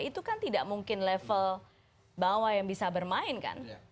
itu kan tidak mungkin level bawah yang bisa bermain kan